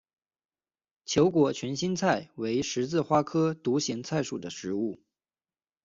球果群心菜为十字花科独行菜属的植物。